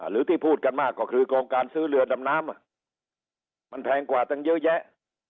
หรือที่พูดกันมากก็คือโครงการซื้อเรือดำน้ำมันแพงกว่าตั้งเยอะแยะ